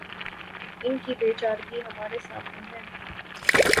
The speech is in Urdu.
ان کی بے چارگی ہمارے سامنے ہے۔